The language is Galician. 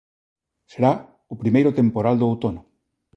Será o primeiro temporal do outono.